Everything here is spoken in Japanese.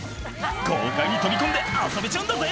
「豪快に飛び込んで遊べちゃうんだぜ」